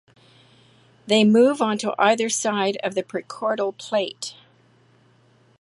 They move onto either side of the prechordal plate.